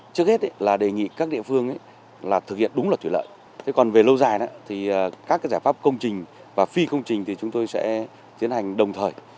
trước hết là đề nghị các địa phương thực hiện đúng luật thủy lợi thế còn về lâu dài thì các giải pháp công trình và phi công trình thì chúng tôi sẽ tiến hành đồng thời